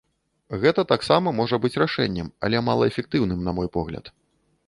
Гэта таксама можа быць рашэннем, але малаэфектыўным, на мой погляд.